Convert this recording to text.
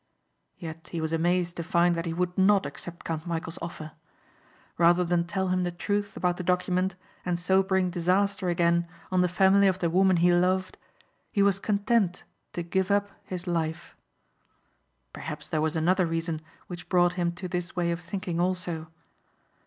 Yet he was amazed to find that he would not accept Count Michæl's offer. Rather than tell him the truth about the document and so bring disaster again on the family of the woman he loved he was content to give up his life. Perhaps there was another reason which brought him to this way of thinking also.